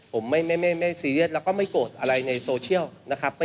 ผมไม่ซีเรียสแล้วก็ไม่โกรธอะไรในโซเชียลนะครับ